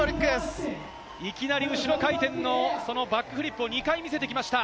いきなり後ろ回転のそのバックフリップを２回見せてきました。